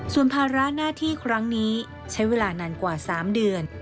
ส่วนภาระหน้าที่ครั้งนี้ใช้เวลานานกว่า๓เดือน